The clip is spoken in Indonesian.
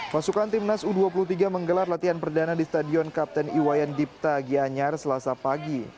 pasukan timnas u dua puluh tiga menggelar latihan perdana di stadion kapten iwayan dipta gianyar selasa pagi